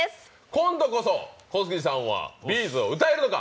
今度こそ小杉さんはＢ’ｚを歌えるのか。